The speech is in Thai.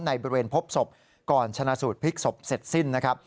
ในบริเวณพบศพก่อนชนะสูตรพลิกศพเสร็จสิ้นนะครับ